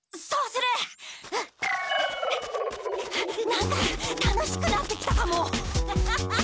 何か楽しくなってきたかも。